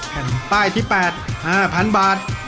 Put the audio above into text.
แผ่นป้ายที่๘๕๐๐๐บาท